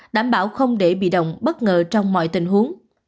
đảm bảo không để bị động bất ngờ trong mọi tình huống